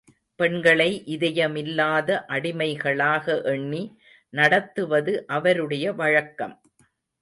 பெண்களை இதயமில்லாத அடிமைகளாக எண்ணி நடத்துவது அவருடைய வழக்கம்.